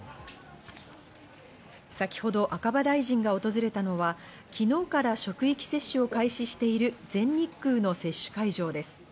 先ほど赤羽大臣が訪れたのは昨日から職域接種を開始している全日空の接種会場です。